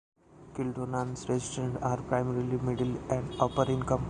Kildonan's residents are primarily middle and upper-income.